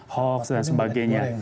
hoax dan sebagainya